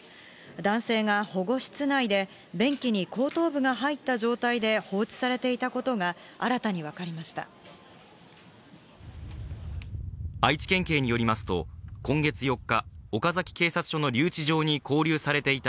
男性が保護室内で、便器に後頭部が入った状態で放置されていたことが新たに分かりました。